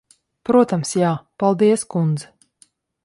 Protams, jā. Paldies, kundze.